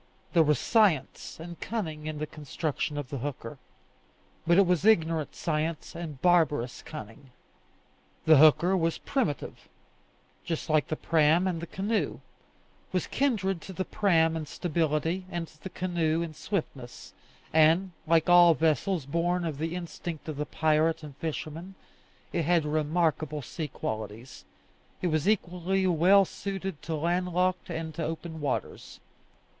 There was science and cunning in the construction of the hooker, but it was ignorant science and barbarous cunning. The hooker was primitive, just like the praam and the canoe; was kindred to the praam in stability, and to the canoe in swiftness; and, like all vessels born of the instinct of the pirate and fisherman, it had remarkable sea qualities: it was equally well suited to landlocked and to open waters.